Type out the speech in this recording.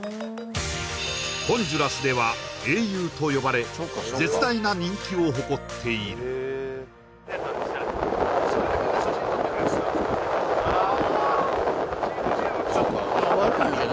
ホンジュラスでは英雄と呼ばれ絶大な人気を誇っているああ